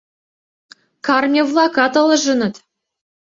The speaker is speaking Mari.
Карме-влакат ылыжыныт.